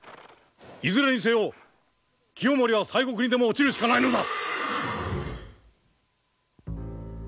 いずれにせよ清盛は西国にでも落ちるしかないのだ。